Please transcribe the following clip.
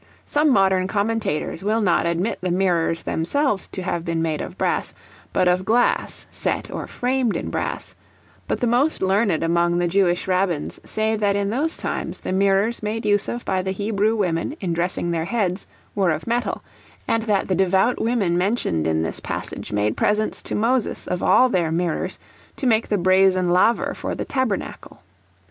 Some modern commentators will not admit the mirrors themselves to have been of brass, but of glass set or framed in brass; but the most learned among the Jewish rabbins say that in those times the mirrors made use of by the Hebrew women in dressing their heads were of metal, and that the devout women mentioned in this passage made presents to Moses of all their mirrors to make the brazen laver for the Tabernacle.